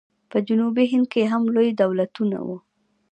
په جنوبي هند کې هم لوی دولتونه وو.